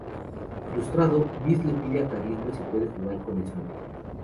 Frustrado, Bis le pide a Carlitos si puede jugar con Snoopy.